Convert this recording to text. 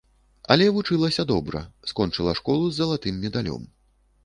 Але вучылася добра, скончыла школу з залатым медалём.